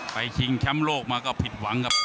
ชิงแชมป์โลกมาก็ผิดหวังครับ